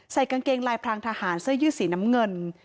กางเกงลายพรางทหารเสื้อยืดสีน้ำเงิน